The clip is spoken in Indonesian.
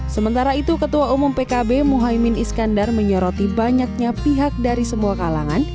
sementara itu ketua umum pkb muhaymin iskandar menyoroti banyaknya pihak dari semua kalangan